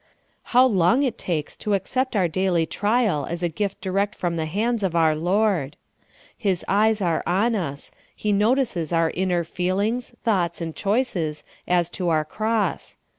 How long it takes to accept our daily trial as a gift direct from the hands of our Lord ! His eyes are on us ; He notices our inner feelings, thoughts, and choices as to our cross.